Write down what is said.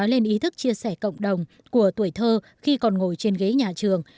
lên ý thức chia sẻ cộng đồng của tuổi thơ khi còn ngồi trên ghế nhà trường